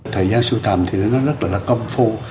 thời gian sưu tầm thì nó rất là công phu